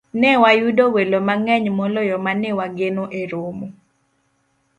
ne wayudo welo mang'eny moloyo ma ne wageno e romo